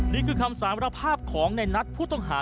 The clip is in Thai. นี่คือคำสารภาพของในนัทผู้ต้องหา